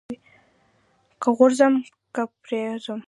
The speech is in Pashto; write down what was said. که غورځم که پرځم.